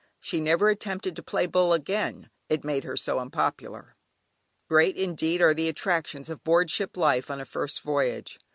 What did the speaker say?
She never attempted to play "Bull" again; it had made her so unpopular. Great indeed are the attractions of board ship life on a first voyage.